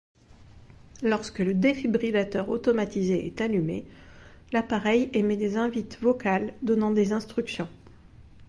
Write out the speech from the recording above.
Lorsque le défibrillateur automatisé est allumé, l'appareil émet des invites vocales donnant des instructions.